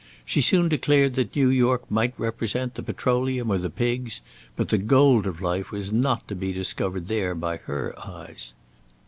She soon declared that New York might represent the petroleum or the pigs, but the gold of life was not to be discovered there by her eyes.